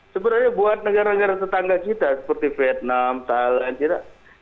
sebenarnya buat negara negara tetangga kita seperti vietnam thailand tidak